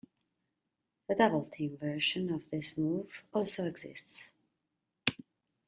A double team version of this move also exists.